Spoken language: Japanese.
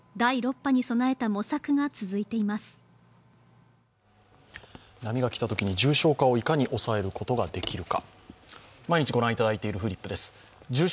波が来たときに重症化をいかに抑えることができるか。